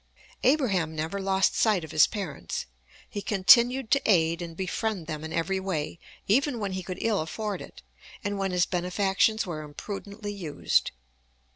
Abraham never lost sight of his parents. He continued to aid and befriend them in every way, even when he could ill afford it, and when his benefactions were imprudently used.